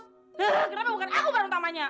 hah kenapa bukan aku orang utamanya